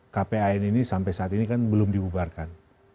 kpan ini sampai saat ini kan belum dibubarkan